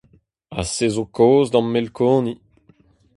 Ha se zo kaoz da'm melkoni !